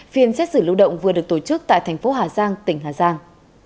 phiên xét xử lưu động vừa được tổ chức tại thành phố hà giang tỉnh hà giang